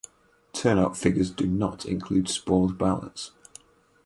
Turnout figures do not include spoiled ballots.